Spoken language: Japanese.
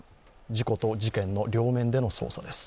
事故と事件の両面での捜査です。